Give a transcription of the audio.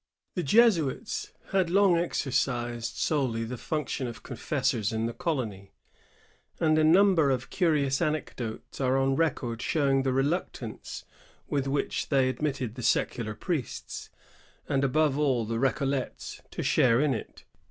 * The Jesuits had long exercised solely the function of confessors in tlie colony, and a number of curious anecdotes are on record showing the reluctance with which they admitted the secular priests, and above all the R^collets, to share in it.